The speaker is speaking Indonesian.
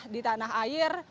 di tanah air